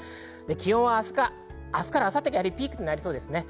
気温は明日から明後日までがピークなりそうです。